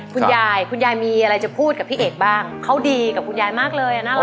คุณยายคุณยายมีอะไรจะพูดกับพี่เอกบ้างเขาดีกับคุณยายมากเลยอ่ะน่ารัก